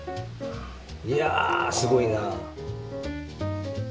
いやすごいな！